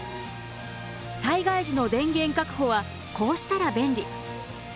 災害時の電源確保はこうしたら便利。